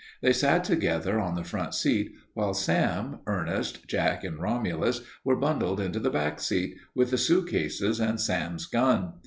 They sat together on the front seat, while Sam, Ernest, Jack, and Romulus were bundled into the back seat, with the suitcases and Sam's gun.